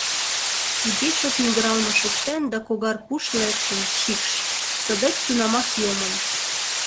Туге чот мӱгыралме шоктен да когар пуш лектын, шикш — садет тунамак йомын.